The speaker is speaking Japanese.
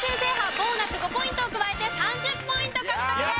ボーナス５ポイントを加えて３０ポイント獲得です！